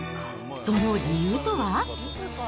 その理由とは。